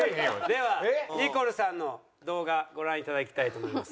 ではニコルさんの動画ご覧いただきたいと思います。